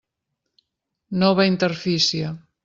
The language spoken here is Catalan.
Nova interfície.